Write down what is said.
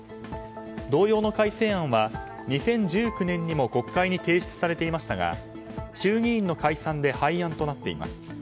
同様の改正案は２０１９年にも国会に提出されていましたが衆議院の解散で廃案となっています。